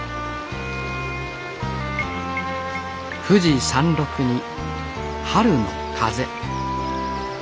富士山麓に春の風。